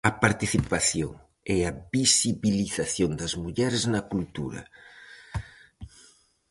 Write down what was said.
A participación e a visibilización das mulleres na cultura.